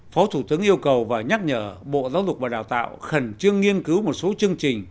phó thủ tướng yêu cầu và nhắc nhở bộ giáo dục và đào tạo khẩn trương nghiên cứu một số chương trình